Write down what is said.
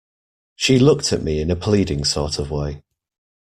She looked at me in a pleading sort of way.